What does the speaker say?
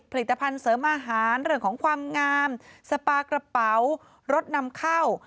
ผลิตภัณฑ์เสริมอาหารเรื่องของความงามสปากระเป๋ารถนำเข้า